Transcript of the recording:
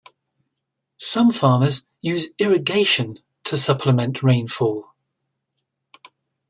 Some farmers use irrigation to supplement rainfall.